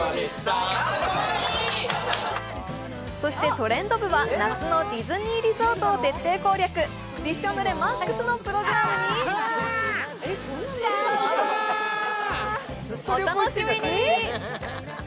そして、「トレンド部」は夏のディズニーリゾートを徹底攻略、びしょ濡れＭＡＸ！のプログラムにお楽しみに！